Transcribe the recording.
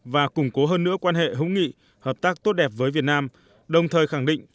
và củng cố hơn nữa quan hệ hữu nghị hợp tác tốt đẹp với việt nam đồng thời khẳng định